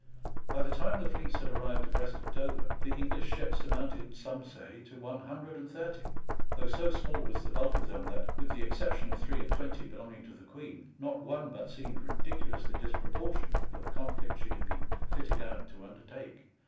By the time the fleets had arrived abreast of Dover the English ships amounted some say to one hundred and thirty, though so small was the bulk of them that, with the exception of three and twenty belonging to the Queen, not one but seemed ridiculously disproportioned for the conflict she had been fitted out to undertake.